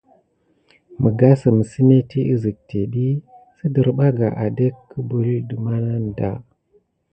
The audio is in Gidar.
Məgasem semeti isik tembi siderbaka atdé kubula de maneda.